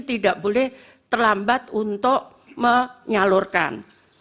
tidak boleh terlambat untuk menyalurkan